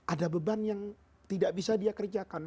ada beban yang tidak bisa dia kerjakan